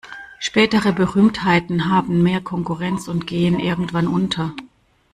Spätere Berühmtheiten haben mehr Konkurrenz und gehen irgendwann unter.